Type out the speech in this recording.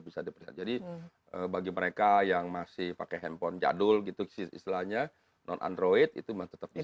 bisa diperiksa jadi bagi mereka yang masih pakai handphone jadul gitu istilahnya non android itu tetap bisa